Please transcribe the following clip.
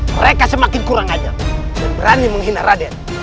mereka semakin kurang ajar dan berani menghina raden